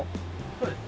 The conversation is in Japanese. そうです。